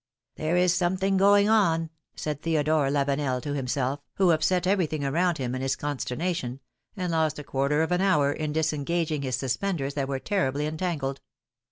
There is something going on said Theodore Lavenel to himself, who upset everything around him in his con sternation, and lost a quarter of an hour in disengaging his suspenders that w^re terribly entangled.